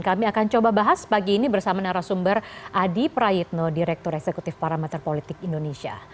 kami akan coba bahas pagi ini bersama narasumber adi prayitno direktur eksekutif parameter politik indonesia